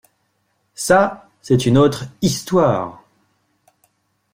Ça, c’est une autre Histoire.